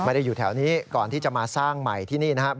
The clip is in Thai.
อยู่แถวนี้ก่อนที่จะมาสร้างใหม่ที่นี่นะครับ